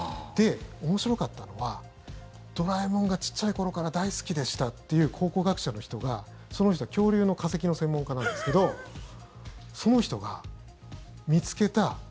面白かったのは「ドラえもん」が小さい頃から大好きでしたという考古学者の人が、その人は恐竜の化石の専門家なんですけどその人が見つけた。